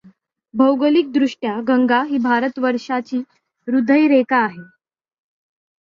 भौगोलिकदृष्ट्या गंगा ही भारतवर्षाची हृदयरेखा आहे!